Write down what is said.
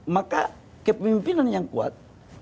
maka kepemimpinan yang kuat